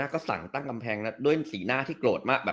กับคลังด้วยสีหน้าที่โกรธมาก